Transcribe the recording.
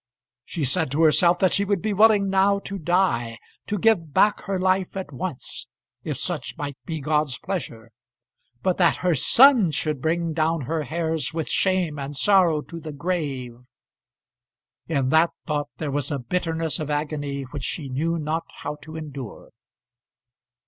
She said to herself that she would be willing now to die, to give back her life at once, if such might be God's pleasure; but that her son should bring down her hairs with shame and sorrow to the grave ! In that thought there was a bitterness of agony which she knew not how to endure!